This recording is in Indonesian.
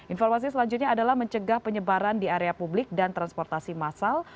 informasi selanjutnya adalah mencegah penyebaran di area publik dan transportasi massal